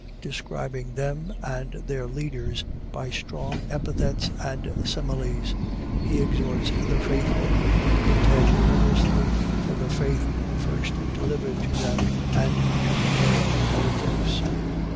describing them and their leaders by strong epithets and similes, He exhorts the faithful to contend earnestly for the faith first delivered to them and to beware of heretics.